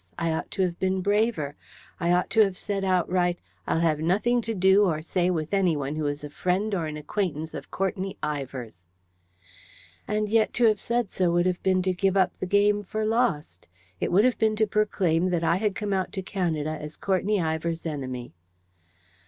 I ought to have been braver. I ought to have said outright, "I'll have nothing to do or say with anyone who is a friend or an acquaintance of Courtenay Ivor's." And yet, to have said so would have been to give up the game for lost. It would have been to proclaim that I had come out to Canada as Courtenay Ivor's enemy.